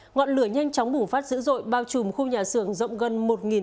ngọn lửa nhanh chóng bùng phát dữ dội bao trùm khu nhà xưởng rộng gần một m hai